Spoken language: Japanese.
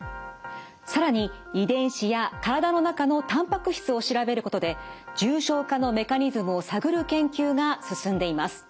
更に遺伝子や体の中のたんぱく質を調べることで重症化のメカニズムを探る研究が進んでいます。